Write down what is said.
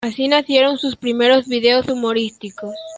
Así nacieron sus primeros videos humorísticos.